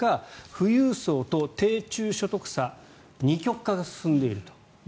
富裕層と低・中所得者二極化が進んでいると。